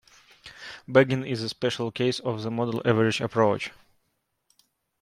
Bagging is a special case of the model averaging approach.